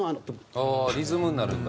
ああリズムになるんだ。